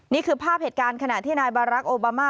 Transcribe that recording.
นี่คือภาพเหตุการณ์ขณะที่นายบารักษ์โอบามา